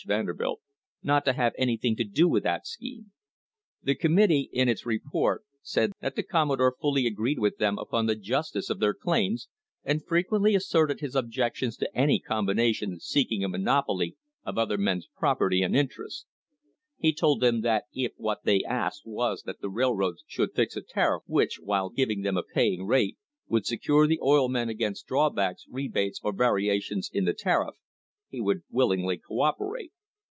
Vanderbilt) not to have anything to do with that scheme." The committee in its report said that the Commo dore fully agreed with them upon the justice of their claims, and frequently asserted his objections to any combination seek ing a monopoly of other men's property and interests. He told them that if what they asked was that the railroads should fix a tariff which, while giving them a paying rate, would secure the oil men against drawbacks, rebates, or variations in the tariff, he would willingly co operate.